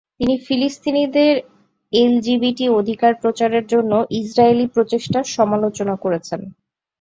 তিনি ফিলিস্তিনিদের এলজিবিটি অধিকার প্রচারের জন্য ইজরায়েলি প্রচেষ্টার সমালোচনা করেছেন।